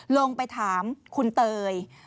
ลงไปถามคุณเตย